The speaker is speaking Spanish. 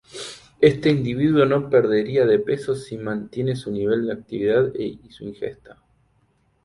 Este individuo no perdería peso si mantiene su nivel de actividad y su ingesta.